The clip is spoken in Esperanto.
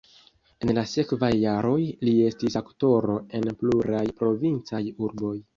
En la sekvaj jaroj li estis aktoro en pluraj provincaj urboj.